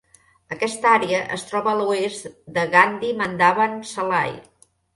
Aquesta àrea es troba a l'oest de Gandhi Mandabam Salai.